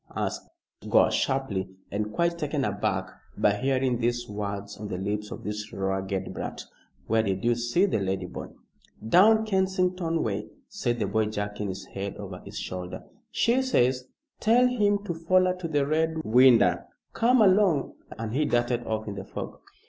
asked Gore, sharply, and quite taken aback by hearing these words on the lips of this ragged brat. "Where did you see the lady, boy?" "Down Kensington way," said the boy jerking his head over his shoulder. "She says, 'Tell him to foller to the Red Winder.' Come along!" and he darted off in the fog.